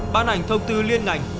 ban ảnh thông tư liên ngành